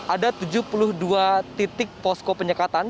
ada tujuh puluh dua titik posko penyekatan